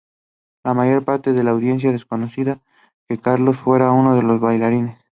La mayor parte de la audiencia desconocía que Carlos fuera uno de los bailarines.